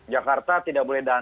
jakarta tidak boleh done in